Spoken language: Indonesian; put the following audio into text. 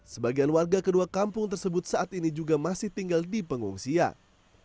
sebagian warga kedua kampung tersebut saat ini juga masih tinggal di pengungsian